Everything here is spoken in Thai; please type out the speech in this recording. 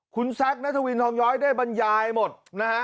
คุณแซคนัทวินทองย้อยได้บรรยายหมดนะฮะ